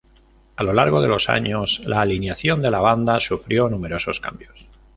A lo largo de los años, la alineación de la banda sufrió numerosos cambios.